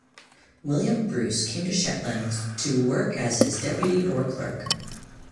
William Bruce came to Shetland to work as his deputy or clerk.